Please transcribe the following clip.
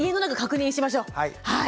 はい。